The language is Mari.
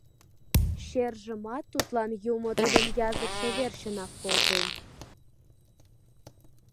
Чержымат тудлан юмо тудын языкше верчынак колтен.